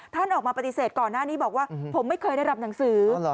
ท่านออกมาปฏิเสธก่อนหน้านี้บอกว่าผมไม่เคยได้รับหนังสือ